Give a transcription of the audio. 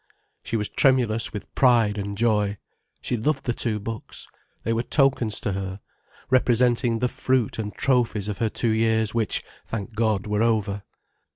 She was tremulous with pride and joy. She loved the two books. They were tokens to her, representing the fruit and trophies of her two years which, thank God, were over.